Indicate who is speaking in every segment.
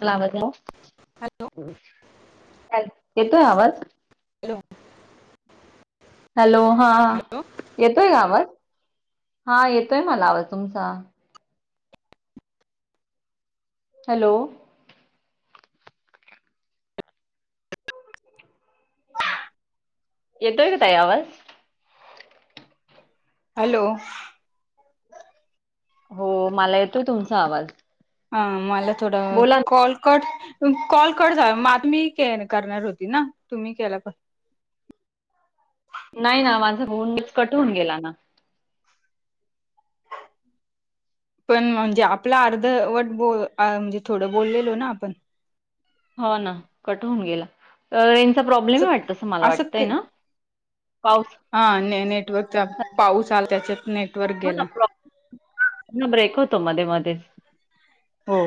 Speaker 1: मला
Speaker 2: हॅलो
Speaker 1: अवाज येतोय आवाज?
Speaker 2: हॅलो!
Speaker 1: हॅलो! हा
Speaker 2: हॅलो
Speaker 1: येतोय का आवाज हा येतोय मला आवाज तुमचा. हॅलो! येतोय का ताई आवाज?
Speaker 2: हॅलो!
Speaker 1: हो मला येतोय तुमचा आवाज.
Speaker 2: हा मला थोडं
Speaker 1: बोला ना.
Speaker 2: कॉलकट कॉल कट मग आता मी करणार होती ना तुम्ही केला पण,
Speaker 1: नाही ना माझा फोन कट होून गेला ना,
Speaker 2: पण म्हणजे आपला अर्धवट ब म्हणजे थोडं बोललेलो ना, आपण.
Speaker 1: हो ना कट होऊन गेला तर रेंचा प्रॉब्लेम वाटतस मला
Speaker 2: असं
Speaker 1: वाटतंय ना, पाऊस
Speaker 2: हा ने नेटवर्कचा पाऊस आला त्याच्यात नेटवर्क
Speaker 1: हो ना
Speaker 2: गेला.
Speaker 1: प्रॉब्लेम ब्रेक होतो मध्ये, मध्ये,
Speaker 2: हो..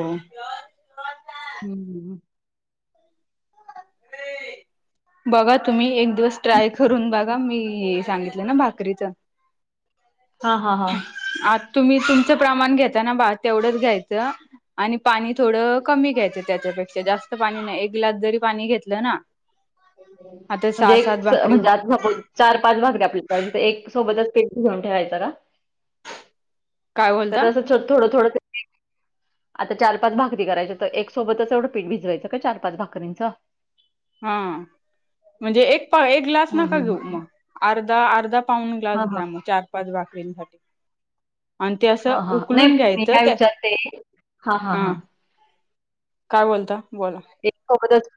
Speaker 1: हम्म.. [inaudible]
Speaker 2: बघा तुम्ही एक दिवस ट्राय करून बघा मी सांगितलं ना भाकरीच.
Speaker 1: हा. हा. हा..
Speaker 2: आ तुम्ही तुमचं प्रमाण घेताना भात तेवढंच घ्यायचं. आणि पाणी थोडं कमी घ्यायचं त्याच्यापेक्षा जास्त पाणी नाही एक ग्लास जरी पाणी घेतलं ना, आता
Speaker 1: म्हणजे
Speaker 2: सहा सात
Speaker 1: एक
Speaker 2: भाकरी
Speaker 1: म्हणजे आता सपोज, चार पाच भाकरी आपल्याला जिथे एक सोबतच घेऊन ठेवायचां का.
Speaker 2: काय
Speaker 1: क
Speaker 2: बोलता
Speaker 1: अस थोडं थोडं... आता चार पाच भाकरी करायच तर एक सोबतच एवढं पीठ भिजयं काय चार पाच भाकरींचं.
Speaker 2: हा म्हणजे एक पाएक. ग्लास
Speaker 1: हं,
Speaker 2: नका
Speaker 1: हं,
Speaker 2: घेऊ
Speaker 1: हं.
Speaker 2: मग अर्धा अर्धा पाऊंड ग्लास
Speaker 1: हां, हां.
Speaker 2: घ्या मग चार पाच भाकरींच. आणि ते असं
Speaker 1: हां, हां. नाही
Speaker 2: उकलून
Speaker 1: मी
Speaker 2: घ्यायचं
Speaker 1: काय
Speaker 2: ते.
Speaker 1: विचारते हां, हां, हां.
Speaker 2: काय बोलता बोला.
Speaker 1: एकच सोबत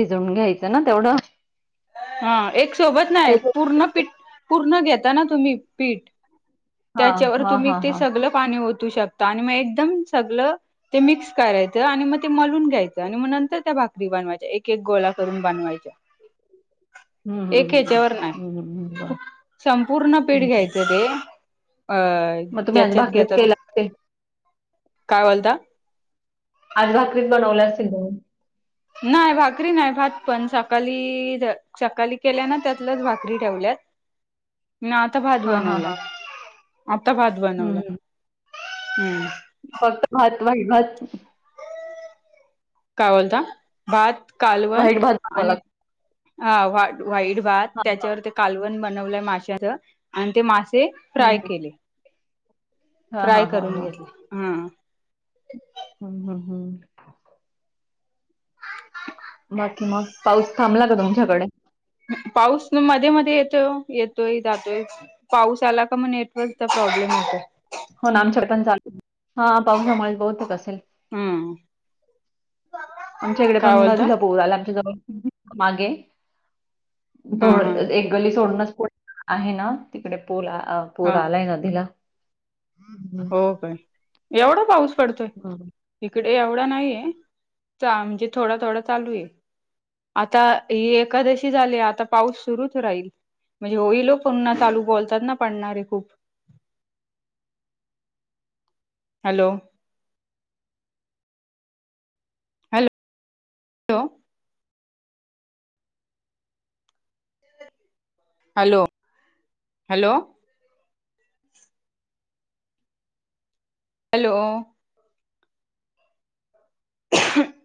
Speaker 1: भि जू न यायचं ना तेवढं.
Speaker 2: हा एक सोबत नाही
Speaker 1: एक
Speaker 2: पूर्ण पीठ पूर्ण घेता ना तुम्ही पीठ.
Speaker 1: हां,
Speaker 2: त्याच्यावर
Speaker 1: हां,
Speaker 2: तुम्ही
Speaker 1: हां,
Speaker 2: ते
Speaker 1: हां.
Speaker 2: सगळ पाणी ओतू शकता, आणि मग एकदम सगळ. ते मिक्स करायचं आणि मग ते मलून घ्यायचं आणि मग नंतर भाकरी बनवायच्या एक एक गोला करून बनवायच्या.
Speaker 1: ते
Speaker 2: एक हच्यावर ना
Speaker 1: हं, हं.
Speaker 2: ही
Speaker 1: बरं.
Speaker 2: संपूर्ण पीठ
Speaker 1: हं, हं.
Speaker 2: घ्यायचं ते. अ
Speaker 1: मग तुम्ही आज
Speaker 2: ज्याच्यात
Speaker 1: भाकरीच
Speaker 2: घेतात,
Speaker 1: केल्या असतील?
Speaker 2: काय बोलता.
Speaker 1: आजभकरीत बनवल्या असेल दोन
Speaker 2: नाही भाकरी नाही भात पण सकाळी सकाळी केल्या ना त्यातलंच भाकरी ठेवल्यात. आता भात
Speaker 1: हां, हां,
Speaker 2: बनवला
Speaker 1: हां.
Speaker 2: आता भात
Speaker 1: हं,
Speaker 2: बनवला
Speaker 1: हं.
Speaker 2: हम्.
Speaker 1: फक्त भात वाई भात.
Speaker 2: काय बोलता.. भात कालवण
Speaker 1: व्हाईट भात बनवावा
Speaker 2: आणि
Speaker 1: लागतो.
Speaker 2: हा वाईट भात
Speaker 1: हां, हां.
Speaker 2: त्याच्यावर ते. कालवण बनवलंय माशच आणि ते मासे
Speaker 1: हं,
Speaker 2: फ्राय
Speaker 1: हं.
Speaker 2: केले.
Speaker 1: हां,
Speaker 2: फ्राय
Speaker 1: हां, हां,
Speaker 2: करून
Speaker 1: हां.
Speaker 2: घेतला हा.
Speaker 1: हम् हम हम्... बाकी मग? पाऊस थांबला का तुमच्याकडे?
Speaker 2: पाऊस मध्ये मध्ये येतोय ओ. येतोय, जातोय. पाऊस आला का मग नेटवर्कचा प्रॉब्लेम होतो.
Speaker 1: हो ना आमच्याकडे पण चालूय, हा पाऊसामुळेच बहुतेक असेल.
Speaker 2: हम्म
Speaker 1: आमच्या इकडे
Speaker 2: काय
Speaker 1: पण
Speaker 2: बोलता
Speaker 1: नदीला पूर आला [unintelligible] मागे
Speaker 2: हा हा
Speaker 1: [unintelligible] गल्ली सोडूनच [unintelligible] आहे ना तिकडे पर पूर
Speaker 2: हा
Speaker 1: आलाय नदीला.
Speaker 2: हो
Speaker 1: हम्म
Speaker 2: काय? एवढा पाऊस पडतोय? इकडे एवढा नाहीये. [unintelligible] थोडा थोडा चालूय. आता ही एकादशी झालीय. आता पाऊस सुरूच राहील. म्हणजे होईल ओ पुन्हा चालू, बोलतात ना पडणारे खूप. Hello. Hello, hello. Hello, hello. Hello. [unintelligible]